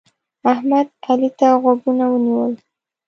احمد؛ علي ته غوږونه ونیول.